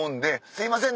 すいません